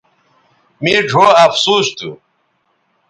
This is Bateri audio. مے ڙھؤ افسوس تھو